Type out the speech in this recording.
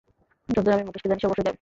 যতদূর আমি মুকেশকে জানি, সে অবশ্যই যাবে।